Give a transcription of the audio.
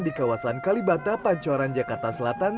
di kawasan kalibata pancoran jakarta selatan